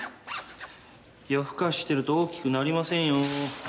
夜更かししてると大きくなりませんよー。